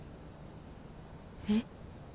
えっ？